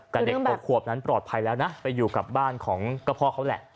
แต่เด็ก๖ขวบนั้นปลอดภัยแล้วนะไปอยู่กับบ้านของก็พ่อเขาแหละ